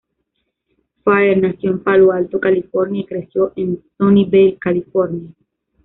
Fire nació en Palo Alto, California y creció en Sunnyvale, California.